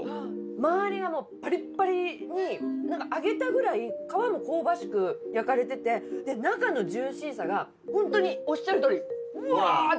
周りがパリッパリに揚げたぐらい皮も香ばしく焼かれてて中のジューシーさがホントにおっしゃる通りぶわって。